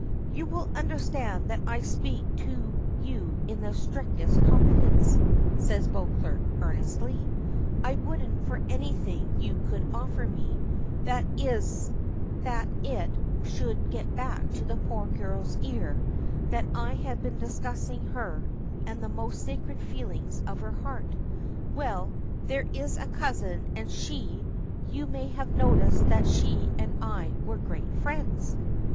"You will understand that I speak to you in the strictest confidence," says Beauclerk, earnestly: "I wouldn't for anything you could offer me, that it should get back to that poor girl's ears that I had been discussing her and the most sacred feelings of her heart. Well, there is a cousin, and she you may have noticed that she and I were great friends?"